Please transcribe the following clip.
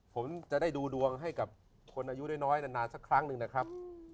ผมจะได้ดูดวงให้กับคนอายุน้อยนานสักครั้งหนึ่งนะครับ